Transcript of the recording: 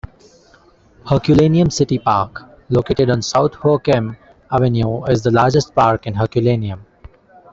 Herculaneum City Park, located on South Joachim Avenue, is the largest park in Herculaneum.